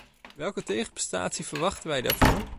Welke tegenprestatie verwachten wij daarvoor?